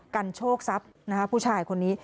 กันโชคทรัพย์นะคะผู้ชายคนนี้